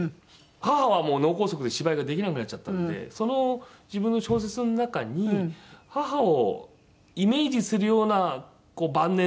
母はもう脳梗塞で芝居ができなくなっちゃったのでその自分の小説の中に母をイメージするような晩年の女優さんをね。